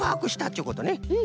うん。